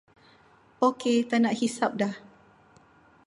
Okey taknak hisap dah.